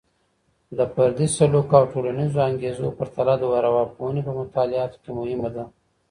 د فردي سلوک او ټولنیزو انګیزو پرتله د ارواپوهني په مطالعاتو کي مهمه ده.